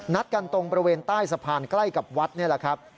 กันตรงบริเวณใต้สะพานใกล้กับวัดนี่แหละครับ